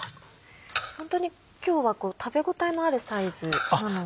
ホントに今日は食べ応えのあるサイズなので。